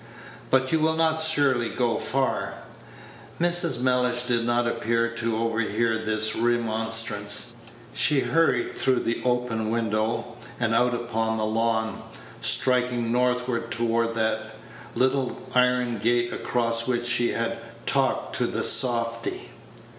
"But you will not surely go far?" Mrs. Mellish did not appear to overhear this remonstrance. She hurried through the open window, and out upon the lawn, striking northward toward that little iron gate across which she had talked to the softy.